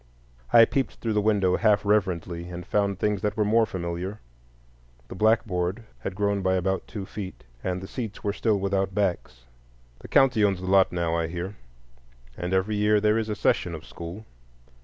I peeped through the window half reverently, and found things that were more familiar. The blackboard had grown by about two feet, and the seats were still without backs. The county owns the lot now, I hear, and every year there is a session of school.